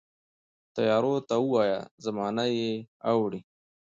تیارو ته وایه، زمانه یې اورې